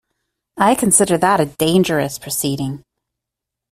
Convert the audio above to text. I consider that a dangerous proceeding.